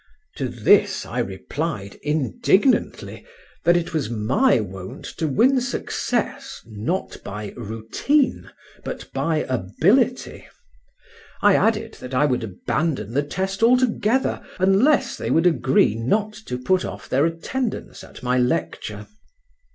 To this I replied indignantly that it was my wont to win success, not by routine, but by ability. I added that I would abandon the test altogether unless they would agree not to put off their attendance at my lecture.